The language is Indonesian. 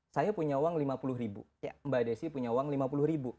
saya punya uang rp lima puluh mbak desi punya uang rp lima puluh